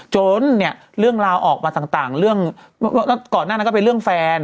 จนเรื่องราวออกมาต่างก่อนหน้าเป็นเรื่องแฟน